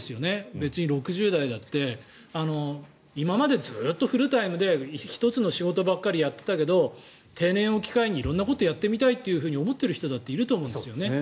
別に６０代だって今までずっとフルタイムで１つの仕事ばっかりやってたけど定年を機会に色んなことやってみたいと思っている人だっていると思うんですね。